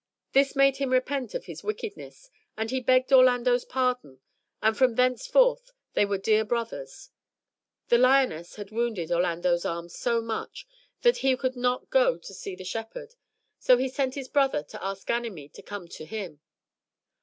This made him repent of his wickedness, and he begged Orlando's pardon, and from thenceforth they were dear brothers. The lioness had wounded Orlando's arm so much, that he could not go on to see the shepherd, so he sent his brother to ask Ganymede to come to him.